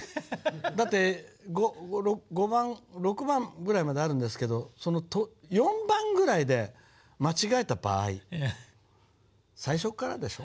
だって５番６番ぐらいまであるんですけどその４番ぐらいで間違えた場合最初からでしょ。